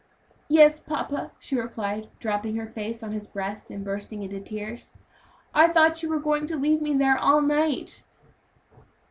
"Yes, papa," she replied, dropping her face on his breast and bursting into tears; "I thought you were going to leave me there all night."